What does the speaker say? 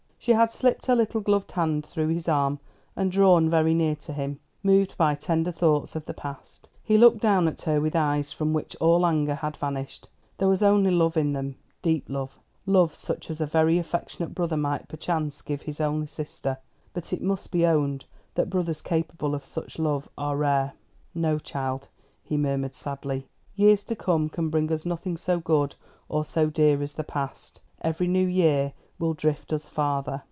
She had slipped her little gloved hand through his arm, and drawn very near to him, moved by tender thoughts of the past. He looked down at her with eyes from which all anger had vanished. There was only love in them deep love; love such as a very affectionate brother might perchance give his only sister but it must be owned that brothers capable of such love are rare. "No, child," he murmured sadly. "Years to come can bring us nothing so good or so dear as the past. Every new year will drift us farther."